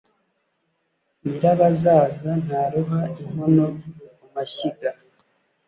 Nyirabazaza ntaruha-Inkono ku mashyiga.